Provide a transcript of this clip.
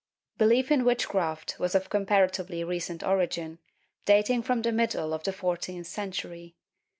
Belief in witchcraft was of comparatively recent origin, dating from the middle of the fourteenth century.